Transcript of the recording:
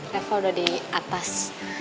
reva udah di atas